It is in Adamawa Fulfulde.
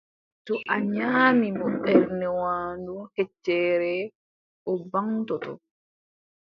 To a nyaamni mo ɓernde waandu heccere, o ɓaŋtoto.